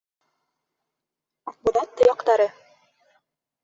Аҡбуҙат тояҡтары!